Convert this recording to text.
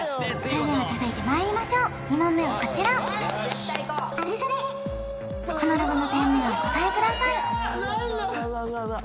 それでは続いてまいりましょう２問目はこちらこのロゴの店名をお答えください何だ？